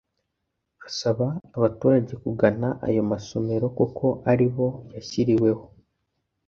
Asaba abaturage kugana ayo masomero kuko aribo yashyiriweho